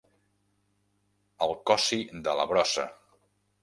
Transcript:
El cossi de la brossa.